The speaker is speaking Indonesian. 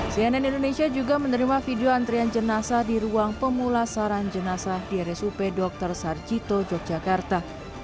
cnn indonesia juga menerima video antrian jenazah di ruang pemulasaran jenazah di rsup dr sarjito yogyakarta